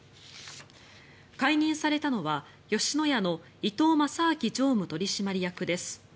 解任されたのは吉野家の伊東正明常務取締役です。